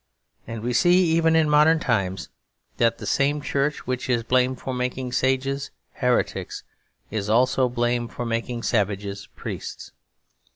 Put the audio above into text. And we see, even in modern times, that the same Church which is blamed for making sages heretics is also blamed for making savages priests.